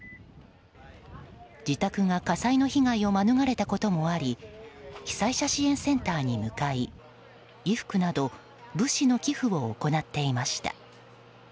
自宅が火災の被害を免れたこともあり被災者支援センターに向かい衣服などよしっ！